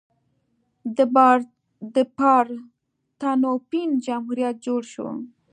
د پارتنوپین جمهوریت جوړ شو.